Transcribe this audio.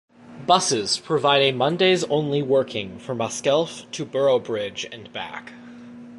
Buses provide a Mondays only working from Raskelf to Boroughbridge and back.